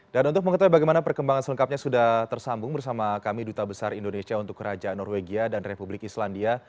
dan untuk mengetahui bagaimana perkembangan selengkapnya sudah tersambung bersama kami duta besar indonesia untuk kerajaan norwegia dan republik islandia